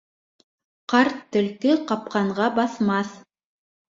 Ҡарт төлкө ҡапҡанға баҫмаҫ.